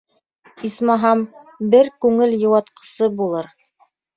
Исмаһам, бер күңел йыуатҡысы булыр.